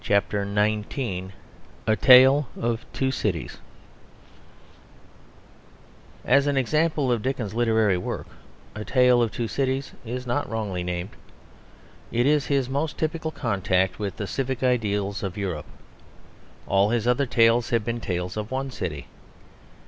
P. Frith, R.A.] A TALE OF TWO CITIES As an example of Dickens's literary work, A Tale of Two Cities is not wrongly named. It is his most typical contact with the civic ideals of Europe. All his other tales have been tales of one city.